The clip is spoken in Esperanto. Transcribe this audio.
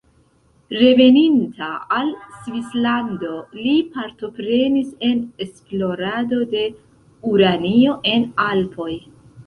Reveninta al Svislando li partoprenis en esplorado de uranio en Alpoj.